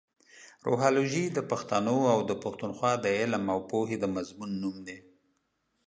روهالوجي د پښتنو اٶ د پښتونخوا د علم اٶ پوهې د مضمون نوم دې.